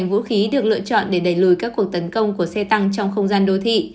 vũ khí được lựa chọn để đẩy lùi các cuộc tấn công của xe tăng trong không gian đô thị